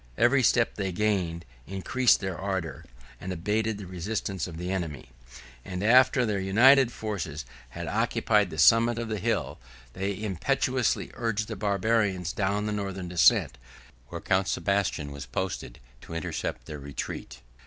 9212 Every step which they gained, increased their ardor, and abated the resistance of the enemy: and after their united forces had occupied the summit of the hill, they impetuously urged the Barbarians down the northern descent, where Count Sebastian was posted to intercept their retreat.